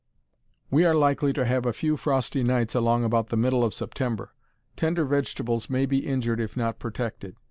We are likely to have a few frosty nights along about the middle of September. Tender vegetables may be injured if not protected.